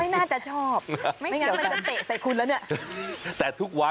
นี่ไงยิบมัน